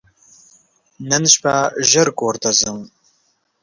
نن شپه ژر کور ته ځم !